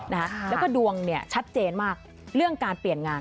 แล้วก็ดวงเนี่ยชัดเจนมากเรื่องการเปลี่ยนงาน